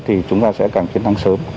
thì chúng ta sẽ càng chiến thắng sớm